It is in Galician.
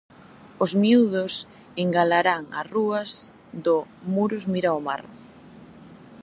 Os Miúdos engalanarán as rúas do "Muros mira ao mar".